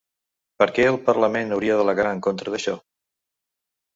Per què el parlament hauria d’al·legar en contra d’això?